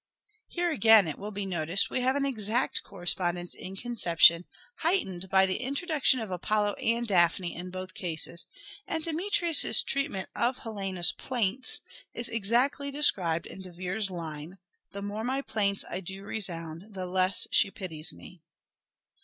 Here again it will be noticed we have an exact correspondence in conception, heightened by the introduction of Apollo and Daphne in both cases ; and Demetrius's treatment of Helena's " plaints " is exactly described in De Vere's line :'' The more my plaints I do resound the less she pities me.